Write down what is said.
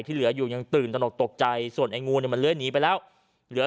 ที่เหลืออยู่ยังตื่นตกใจส่วนไอ้งูมันเลือดนี้ไปแล้วเหลือ